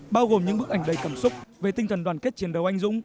bao gồm những bức ảnh đầy cảm xúc về tinh thần đoàn kết chiến đấu anh dũng